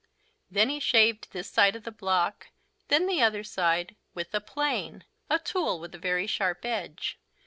Then he shaved this side of the block, then the other side, with a plane, a tool with a very sharp edge.